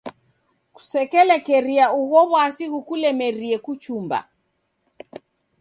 Kusekelekeria ugho w'asi ghukulemerie kuchumba.